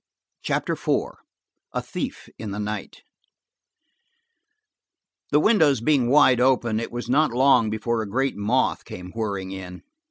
CHAPTER IV A THIEF IN THE NIGHT THE windows being wide open, it was not long before a great moth came whirring in.